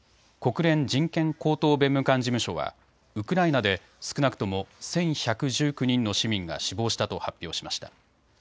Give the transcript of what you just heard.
国連人権高等弁務官事務所はウクライナで少なくとも１１１９人の市民が死亡したと発表しました。